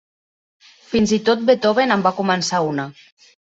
Fins i tot Beethoven en va començar una.